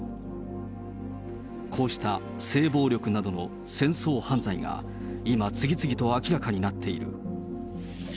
こうした性暴力などの戦争犯罪が、今、次々と明らかになっている。